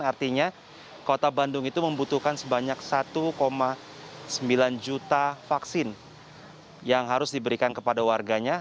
artinya kota bandung itu membutuhkan sebanyak satu sembilan juta vaksin yang harus diberikan kepada warganya